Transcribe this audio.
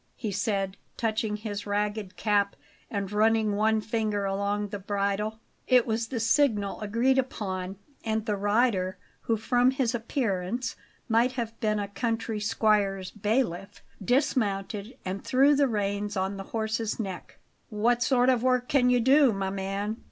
he said, touching his ragged cap and running one finger along the bridle. It was the signal agreed upon, and the rider, who from his appearance might have been a country squire's bailiff, dismounted and threw the reins on the horse's neck. "What sort of work can you do, my man?"